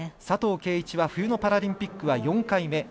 佐藤圭一は冬のパラリンピックは４回目。